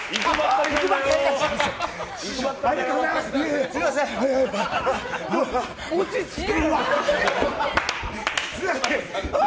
ありがとうございます！